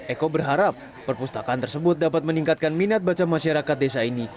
eko berharap perpustakaan tersebut dapat meningkatkan minat baca masyarakat desa ini